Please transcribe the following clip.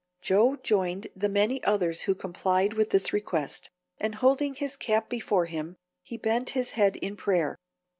Joe joined the many others who complied with this request, and holding his cap before him, he bent his head in prayer.